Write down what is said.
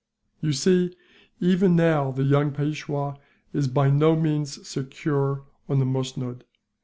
"You see, even now the young Peishwa is by no means secure on the musnud.